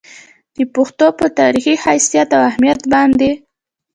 د پښتو پۀ تاريخي حېثيت او اهميت باندې